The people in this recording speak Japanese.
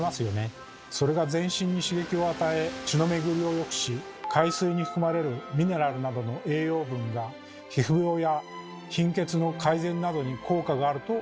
それが全身に刺激を与え血の巡りをよくし海水に含まれるミネラルなどの栄養分が皮膚病や貧血の改善などに効果があると言われています。